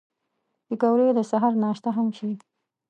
پکورې د سهر ناشته هم شي